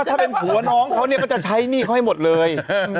ถ้าเป็นผัวน้องเขาเนี่ยก็จะใช้หนี้เขาให้หมดเลย